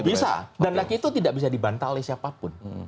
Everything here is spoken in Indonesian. bisa dan lagi itu tidak bisa dibantah oleh siapapun